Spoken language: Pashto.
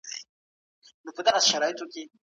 دا ماشین تر هغه بل نوی دی.